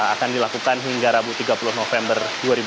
akan dilakukan hingga rabu tiga puluh november dua ribu dua puluh